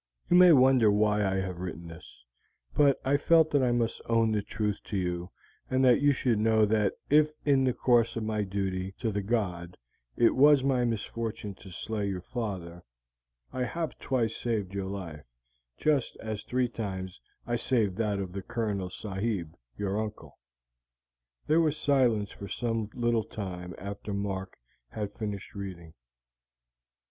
You may wonder why I have written this, but I felt that I must own the truth to you, and that you should know that if in the course of my duty to the god it was my misfortune to slay your father, I have twice saved your life, just as three times I saved that of the Colonel Sahib, your uncle." There was silence for some little time after Mark had finished reading.